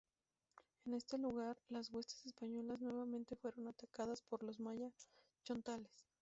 En este lugar las huestes españolas nuevamente fueron atacadas por los maya-chontales.